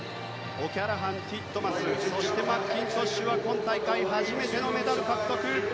オキャラハン、ティットマスそしてマッキントッシュは今大会初めてのメダル獲得。